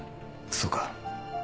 そうか。